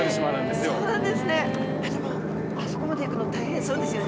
でもあそこまで行くの大変そうですよね